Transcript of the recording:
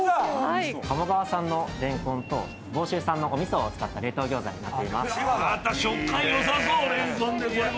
鴨川産のレンコンと房州産のお味噌を使った冷凍餃子になっています。